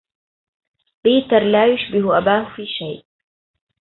بيتر لا يشبه أباه في شيء.